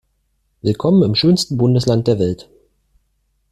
Willkommen im schönsten Bundesland der Welt!